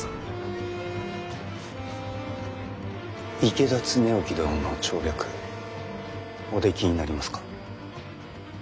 池田恒興殿の調略おできになりますか？